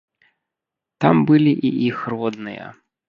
Там былі і іх родныя.